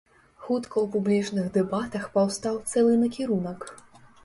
Хутка ў публічных дэбатах паўстаў цэлы накірунак.